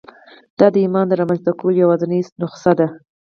دا د ایمان د رامنځته کولو یوازېنۍ نسخه ده